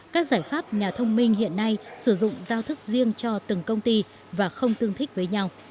các giải pháp nhà thông minh hiện nay sử dụng giao thức riêng cho từng công ty và không tương thích với nhau